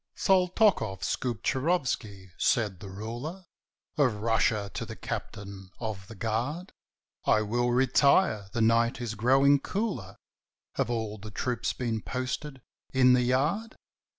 _" "SALTOKOFF SKUPCHIROFSKY," said the ruler Of Russia to his captain of the guard, "I will retire; the night is growing cooler Have all the troops been posted in the yard?"